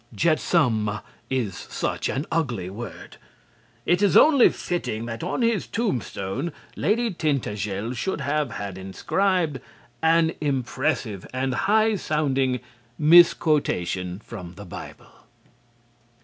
"Jetsam" is such an ugly word. It is only fitting that on his tombstone Lady Tintagel should have had inscribed an impressive and high sounding misquotation from the Bible.